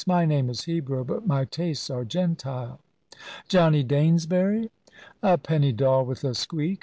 My name is Hebrew, but my tastes are Gentile." "Johnny Danesbury!" "A penny doll with a squeak.